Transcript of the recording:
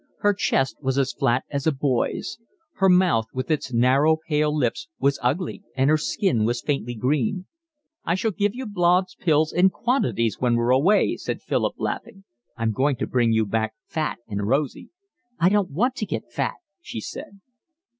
Her chest was as flat as a boy's. Her mouth, with its narrow pale lips, was ugly, and her skin was faintly green. "I shall give you Blaud's Pills in quantities when we're away," said Philip, laughing. "I'm going to bring you back fat and rosy." "I don't want to get fat," she said.